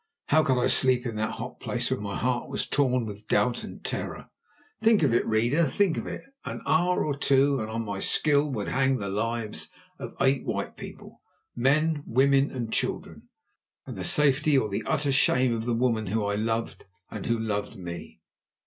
How could I sleep in that hot place when my heart was torn with doubt and terror? Think of it, reader, think of it! An hour or two, and on my skill would hang the lives of eight white people—men, women, and children, and the safety or the utter shame of the woman whom I loved and who loved me.